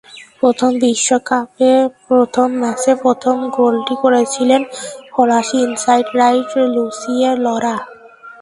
প্রথম বিশ্বকাপের প্রথম ম্যাচে প্রথম গোলটি করেছিলেন ফরাসি ইনসাইড রাইট লুসিয়ে লঁরা।